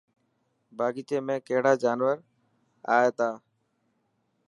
باغيچي ۾ ڪهڙا جانور اي تا.